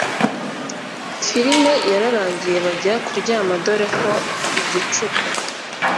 film yararangiye bajya kuryama dore ko igicuku